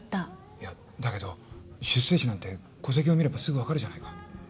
いやだけど出生地なんて戸籍を見ればすぐ分かるじゃないか。